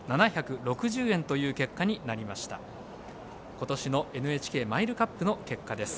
今年のＮＨＫマイルカップの結果です。